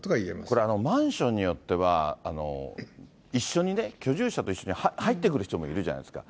これ、マンションによっては、一緒にね、居住者と一緒に入ってくる人もいるじゃないですか。